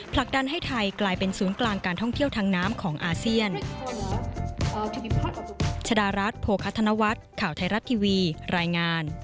ผลักดันให้ไทยกลายเป็นศูนย์กลางการท่องเที่ยวทางน้ำของอาเซียน